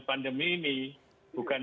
pandemi ini bukan